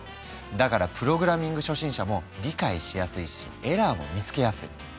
だからプログラミング初心者も理解しやすいしエラーも見つけやすい。